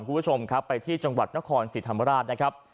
คุณผู้ชมครับไปที่จังหวัดนครศรีธรรมราชนะครับ